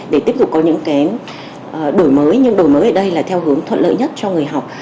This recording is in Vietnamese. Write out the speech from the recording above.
để tiếp tục có những cái đổi mới nhưng đổi mới ở đây là theo hướng thuận lợi nhất cho người học